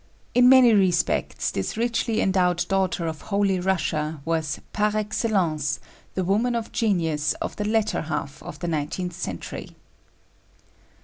In many respects this richly endowed daughter of Holy Russia was par excellence the woman of genius of the latter half of the nineteenth century.